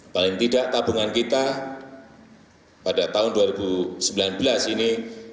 paling tidak tabungan kita pada tahun dua ribu sembilan belas ini